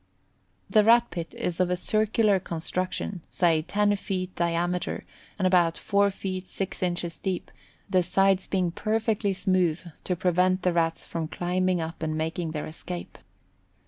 The Rat pit is of circular construction, say ten feet diameter, and about four feet six inches deep, the sides being perfectly smooth to prevent the rats climbing up and making their escape.